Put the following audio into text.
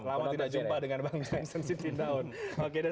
selamat tidak jumpa dengan bang jansen sittindaon